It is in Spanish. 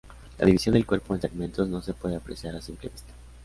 La división del cuerpo en segmentos no se puede apreciar a simple vista.